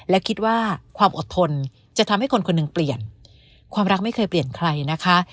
และคิดว่าความอดทนจะทำให้คนคนหนึ่งเปลี่ยนความรักไม่เคยเปลี่ยนใครนะคะ